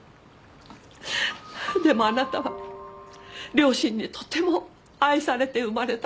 でもあなたは両親にとても愛されて生まれた子供です。